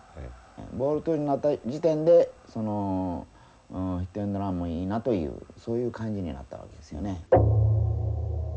ボールツーになった時点でそのヒットエンドランもいいなというそういう感じになったわけですよね。